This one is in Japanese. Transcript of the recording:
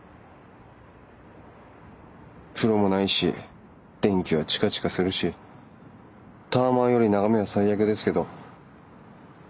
風呂もないし電気はチカチカするしタワマンより眺めは最悪ですけど。